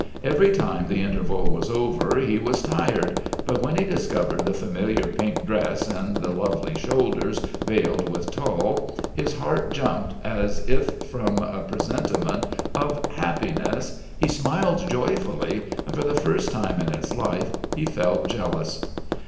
Every time the interval was over he was tired, but when he discovered the familiar pink dress and the lovely shoulders veiled with tulle his heart jumped as if from a presentiment of happiness, he smiled joyfully, and for the first time in his life he felt jealous.